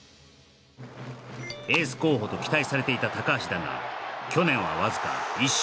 エース候補と期待されていた橋だが去年はわずか１勝